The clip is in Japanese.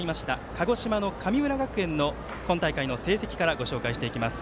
鹿児島の神村学園の今大会の成績からご紹介していきます。